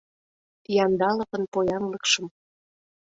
— Яндаловын поянлыкшым.